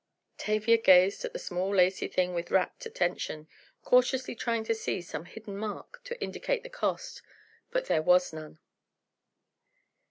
Tavia gazed at the small lacy thing with rapt attention, cautiously trying to see some hidden mark to indicate the cost, but there was none.